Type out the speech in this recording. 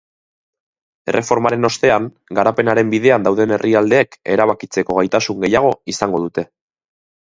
Erreformaren ostean, garapenaren bidean dauden herrialdeek erabakitzeko gaitasun gehiago izango dute.